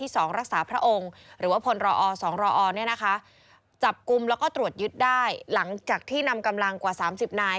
อีกจากที่นำกำลังกว่า๓๐นาย